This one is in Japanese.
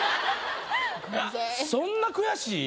そんな悔しい？